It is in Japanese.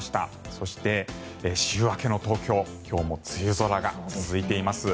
そして、週明けの東京今日も梅雨空が続いています。